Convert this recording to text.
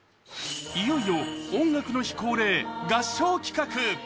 いよいよ「音楽の日」恒例、合唱企画。